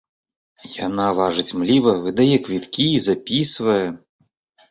Яна важыць мліва, выдае квіткі, запісвае.